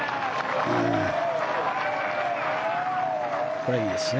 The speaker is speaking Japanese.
これはいいですね。